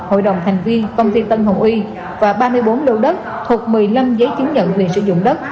hội đồng thành viên công ty tân hồng uy và ba mươi bốn lô đất thuộc một mươi năm giấy chứng nhận quyền sử dụng đất